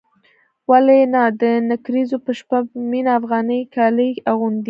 ولې نه د نکريزو په شپه به مينه افغاني کالي اغوندي.